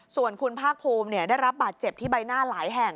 ส่วนคุณภาคภูมิได้รับบาดเจ็บที่ใบหน้าหลายแห่ง